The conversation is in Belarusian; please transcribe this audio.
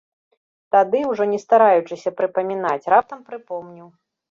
Тады, ужо не стараючыся прыпамінаць, раптам прыпомніў.